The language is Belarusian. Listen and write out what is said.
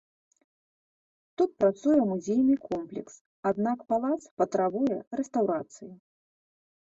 Тут працуе музейны комплекс, аднак палац патрабуе рэстаўрацыі.